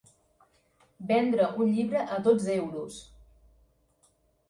Vendre un llibre a dotze euros.